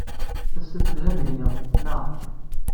Ass-a, telha tegnewt, naɣ?